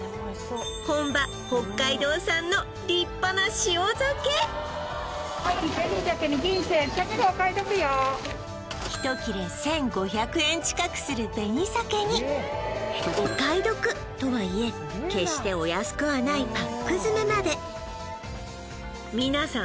本場北海道産のりっぱな塩鮭１切１５００円近くする紅鮭にお買い得とはいえ決してお安くはないパック詰めまで皆さん